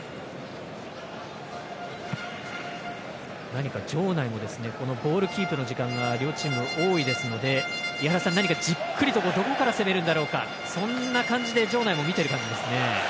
何か場内もボールキープの時間が両チーム、多いですのでじっくりとどこから攻めるんだろうかそんな感じで場内も見ている感じですね。